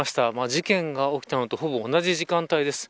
事件が起きたのとほぼ同じ時間帯です。